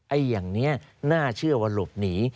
อย่างนี้น่าเชื่อว่าหลบหนี